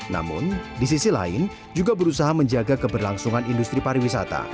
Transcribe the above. namun di sisi lain juga berusaha menjaga keberlangsungan industri pariwisata